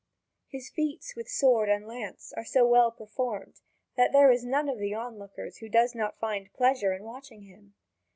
His feats with sword and lance are so well performed that there is none of the onlookers who does not find pleasure in watching him.